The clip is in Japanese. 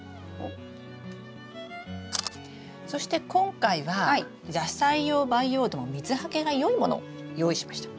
そして今回は野菜用培養土を水はけがよいものを用意しました。